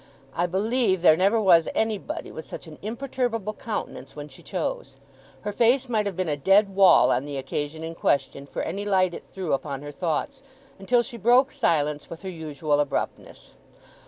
I believe there never was anybody with such an imperturbable countenance when she chose. Her face might have been a dead wall on the occasion in question, for any light it threw upon her thoughts; until she broke silence with her usual abruptness.